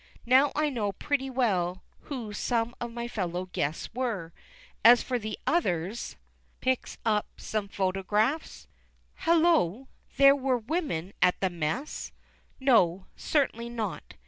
Now I know pretty well who some of my fellow guests were. As for the others [Picks up some photographs. Hallo! were there women at the mess? No, certainly not.